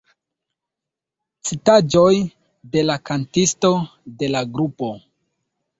Citaĵoj de la kantisto de la grupo.